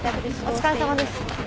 お疲れさまです。